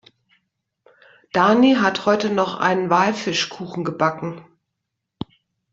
Dani hat heute noch einen Walfischkuchen gebacken.